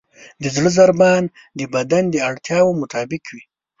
د زړه ضربان د بدن د اړتیاوو مطابق وي.